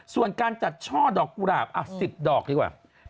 ส่วนการจัดช่อดอกกุหลาบ๑๐ดอกดีกว่า